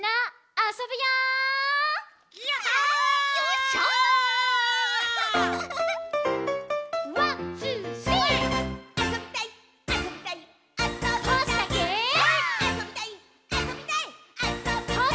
「あそびたいっ！」